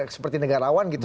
seperti negarawan gitu